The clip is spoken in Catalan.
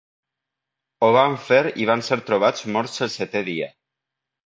Ho van fer i van ser trobats morts el setè dia.